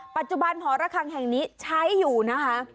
ปัจจุบันหอระคังแห่งนี้ใช้อยู่นะคะ